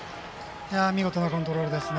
見事なコントロールですね。